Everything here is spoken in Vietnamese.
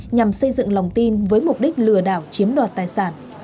nhằm xây dựng lòng tin với mục đích lừa đảo chiếm đoạt tài sản